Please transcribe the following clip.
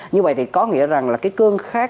như vậy thì có nghĩa rằng là cái cơn khát